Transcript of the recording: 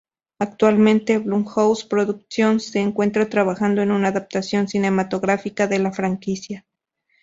Actualmente, Blumhouse Productions se encuentra trabajando en una adaptación cinematográfica de la franquicia.